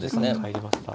入りました。